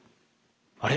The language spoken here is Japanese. あれ？